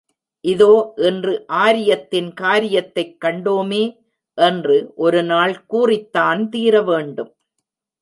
இதோ இன்று ஆரியத்தின் காரியத்தைக் கண்டோமே! என்று ஒரு நாள் கூறித்தான் தீர வேண்டும்.